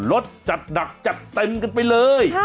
รถจัดหนักจัดเต็มกันไปเลย